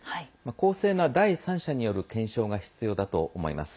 公正な第三者による検証が必要だと思います。